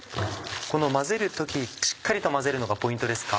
この混ぜる時しっかりと混ぜるのがポイントですか？